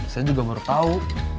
saya juga baru tahu